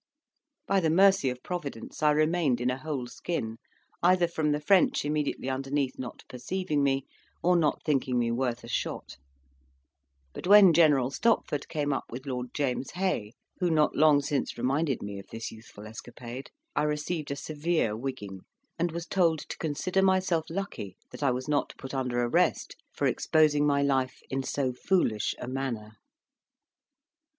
By the mercy of Providence I remained in a whole skin, either from the French immediately underneath not perceiving me, or not thinking me worth a shot; but when General Stopford came up with Lord James Hay (who not long since reminded me of this youthful escapade) I received a severe wigging, and was told to consider myself lucky that I was not put under arrest for exposing my life in so foolish a manner.